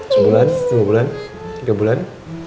sebulan tiga bulan